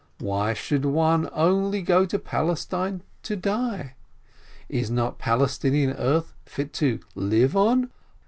Why should one only go to Palestine to die? Is not Palestinian earth fit to live on